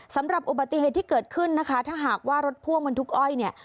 สำหรับอุบัติเหตุที่เกิดขึ้นนะคะถ้าหากว่ารถพ่วงบรรทุกอ้อยเนี่ย